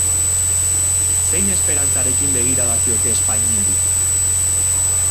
Zein esperantzarekin begira dakioke Espainiari?